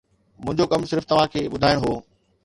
منهنجو ڪم صرف توهان کي ٻڌائڻ هو